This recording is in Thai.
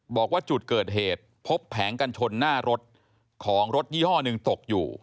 บอกว่าจุดเกิดเหตุพบแผงกันชนหน้ารถของรถยี่ห้อหนึ่งตกอยู่